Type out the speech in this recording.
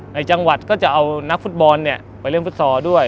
ในจังหวัดก็จะเอานักฟุตบอลไปเล่นฟุตซอลด้วย